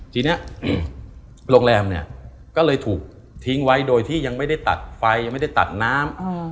ทีนี้โรงแรมเนี่ยก็เลยถูกทิ้งไว้โดยที่ยังไม่ได้ตัดไฟยังไม่ได้ตัดน้ำ